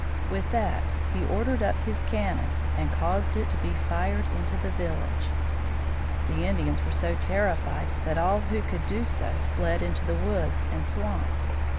With that he ordered up his cannon and caused it to be fired into the village. The Indians were so terrified that all who could do so fled into the woods and swamps.